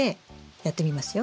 やってみますよ。